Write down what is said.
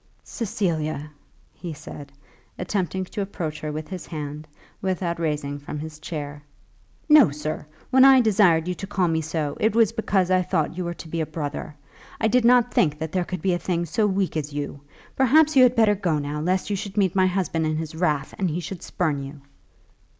"Cecilia," he said, attempting to approach her with his hand, without rising from his chair. "No, sir; when I desired you to call me so, it was because I thought you were to be a brother. I did not think that there could be a thing so weak as you. Perhaps you had better go now, lest you should meet my husband in his wrath, and he should spurn you."